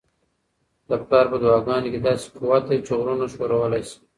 د پلار په دعاګانو کي داسې قوت دی چي غرونه ښورولی سي.